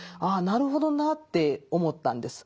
なるほどなって思ったんです。